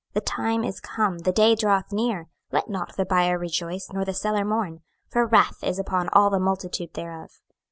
26:007:012 The time is come, the day draweth near: let not the buyer rejoice, nor the seller mourn: for wrath is upon all the multitude thereof.